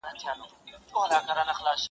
پلو باد واخیست له مخه چي وړیا دي ولیدمه-